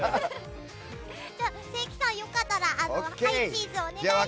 関さん、良かったらハイ、チーズをお願いします。